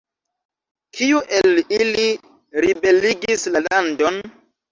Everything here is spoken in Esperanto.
Kiu el ili ribeligis la landon?